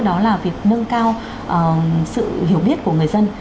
đó là việc nâng cao sự hiểu biết của người dân